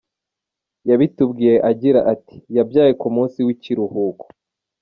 Yabitubwiye agira ati ’’Yabyaye ku munsi w’ikiruhuko.